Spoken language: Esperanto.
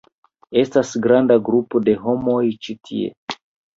Estas granda grupo de homoj ĉi tie!